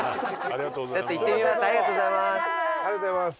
ありがとうございます。